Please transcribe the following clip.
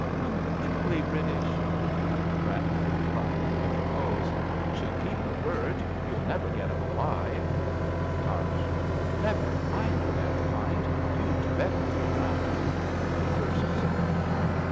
Come quickly, British ! Brander (trying to interpose). She'll keep her word. You'll never get 'em alive. Tarrasch. Never. I know that kind. You'd better clear out. 64 A BELGIAN CHRISTMAS EVE First Soldier.